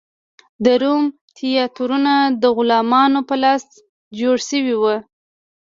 د روم تیاترونه د غلامانو په لاس جوړ شوي و.